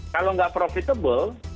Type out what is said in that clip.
kalau enggak profitable